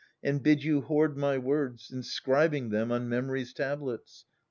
And bid you hoard my words, inscribing them On memory's tablets.